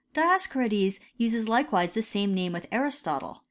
* Dioscorides uses likewise the same name with Aristotle.